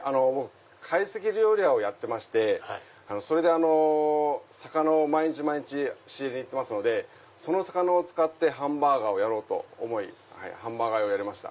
会席料理屋をやってまして魚を毎日毎日仕入れ行ってますので魚を使ってハンバーガーをやろうと思いハンバーガー屋をやりました。